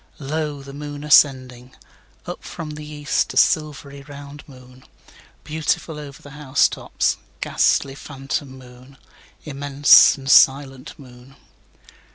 2Lo! the moon ascending! Up from the east, the silvery round moon; Beautiful over the house tops, ghastly phantom moon; Immense and silent moon.